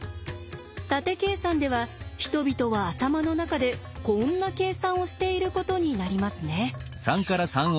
縦計算では人々は頭の中でこんな計算をしていることになりますね。